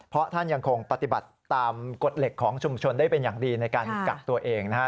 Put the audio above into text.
เพราะท่านยังคงปฏิบัติตามกฎเหล็กของชุมชนได้เป็นอย่างดีในการกักตัวเองนะฮะ